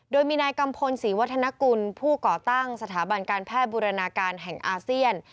โดยมีนายกัมพลศรีวัฒนกุลผู้ก่อตั้งสถาบันการแพทย์บูรณาการแห่งอาเซียน